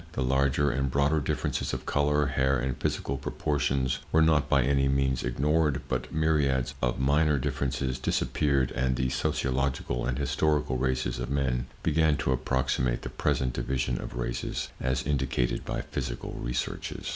The larger and broader differences of color, hair and physical proportions were not by any means ignored, but myriads of minor differences disappeared, and the sociological and historical races of men began to approximate the present division of races as indicated by physical researches.